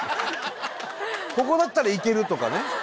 「ここだったらいける」とかね。